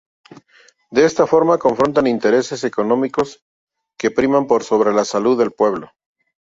De esta forma confrontan intereses económicos que priman por sobre la salud del pueblo.